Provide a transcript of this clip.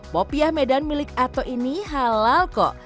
popiah medan milik ato ini halal kok